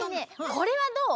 これはどう？